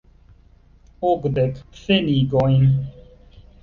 Okdek pfenigojn.